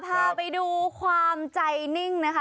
พาไปดูความใจนิ่งนะคะ